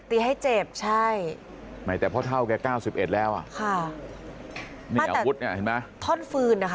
แต่พ่อเท้าแก้ว๙๑แล้วมั้ยถ้อนฟืนอ่ะค่ะ